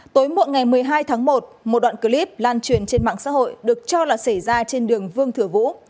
tối muộn ngày một mươi hai tháng một một đoạn clip lan truyền trên mạng xã hội được cho là xảy ra trên đường vương thừa vũ